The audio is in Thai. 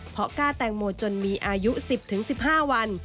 เพราะกล้าแตงโมจนมีอายุ๑๐๑๕วัน